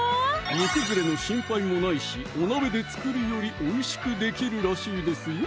煮崩れの心配もないしお鍋で作るよりおいしくできるらしいですよ！